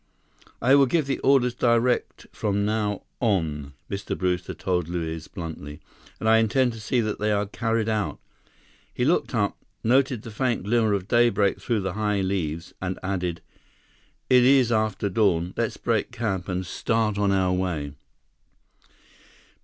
"I will give the orders direct from now on," Mr. Brewster told Luiz bluntly, "and I intend to see that they are carried out." He looked up, noted the faint glimmer of daybreak through the high leaves, and added, "It is after dawn. Let's break camp and start on our way."